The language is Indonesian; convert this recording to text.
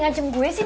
kau mau lihat